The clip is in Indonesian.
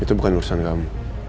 itu bukan urusan kamu